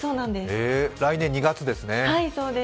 来年２月ですね。